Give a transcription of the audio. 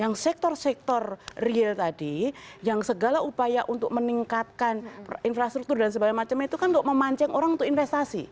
yang sektor sektor real tadi yang segala upaya untuk meningkatkan infrastruktur dan sebagainya itu kan untuk memancing orang untuk investasi